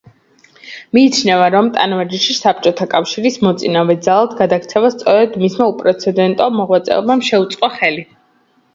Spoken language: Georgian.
მიიჩნევა, რომ ტანვარჯიშში საბჭოთა კავშირის მოწინავე ძალად გადაქცევას სწორედ მისმა უპრეცედენტო მოღვაწეობამ შეუწყო ხელი.